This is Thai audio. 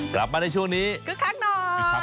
กลับมาในช่วงนี้คึกคักหน่อย